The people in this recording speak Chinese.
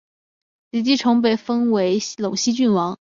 李继崇被封为陇西郡王。